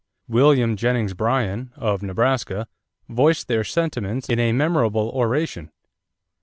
William Jennings Bryan, of Nebraska, voiced their sentiments in a memorable oration.